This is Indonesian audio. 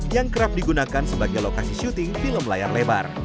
yang kerap digunakan sebagai lokasi syuting film layar lebar